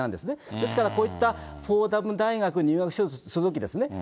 ですから、こういったフォーダム大学に入学しようとするわけですね。